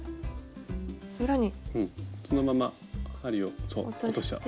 そのまま針をそう。